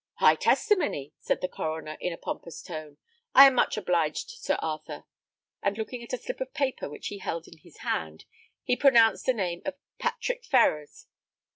"High testimony," said the coroner, in a pompous tone. "I am much obliged, Sir Arthur;" and looking at a slip of paper which he held in his hand, he pronounced the name of Patrick Ferrers.